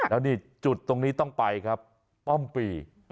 แล้วนี่จุดตรงนี้ต้องไปครับป้อมปี